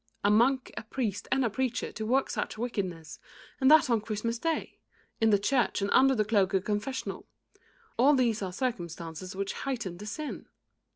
A monk, a priest and a preacher to work such wickedness, and that on Christmas day, in the church and under the cloak of the confessional all these are circumstances which heighten the sin."